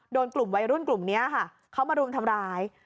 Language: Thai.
โดนกลุ่มวัยรุ่นกลุ่มนี้ค่ะเขามารุมทำร้าย